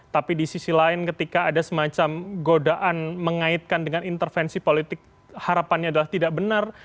tapi di sisi lain ketika ada semacam godaan mengaitkan dengan intervensi politik harapannya adalah tidak benar